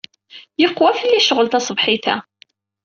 Yeqwa fell-i ccɣel taṣebḥit-a.